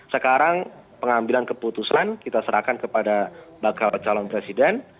sekarang pengambilan keputusan kita serahkan kepada bakal calon presiden